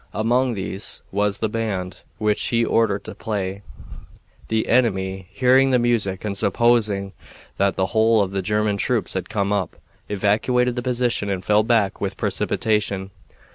Among these was the band, which he ordered to play. The enemy, hearing the music and supposing that the whole of the German troops had come up, evacuated the position and fell back with precipitation.